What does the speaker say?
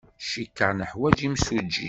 Cikkeɣ neḥwaj imsujji.